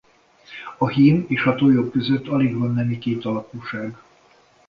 A hím és tojó között alig van nemi kétalakúság.